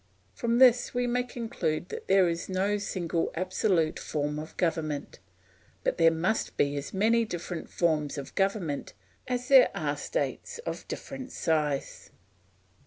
From this we may conclude that there is no single absolute form of government, but there must be as many different forms of government as there are states of different size.